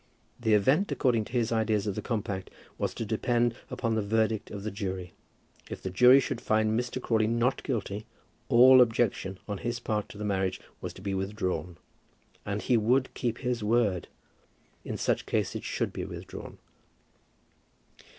The event, according to his ideas of the compact, was to depend upon the verdict of the jury. If the jury should find Mr. Crawley not guilty, all objection on his part to the marriage was to be withdrawn. And he would keep his word! In such case it should be withdrawn.